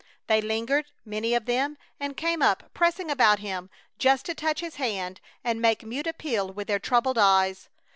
They lingered, many of them, and came up, pressing about him, just to touch his hand and make mute appeal with their troubled eyes.